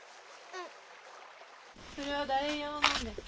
それは誰用なんですか？